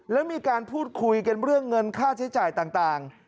แล้วมีการพูดคุยกันเรื่องเงินค่าใช้จ่ายต่าง